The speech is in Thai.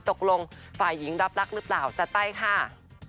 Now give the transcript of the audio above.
ตกลงฝ่ายหญิงรับรักรึเปล่าจะไต้ค่ะ